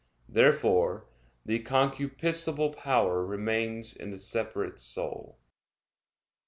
Therefore the concupiscible power remains in the separate soul.